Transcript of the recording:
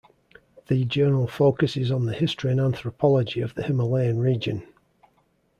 The journal focuses on the history and anthropology of the Himalayan region.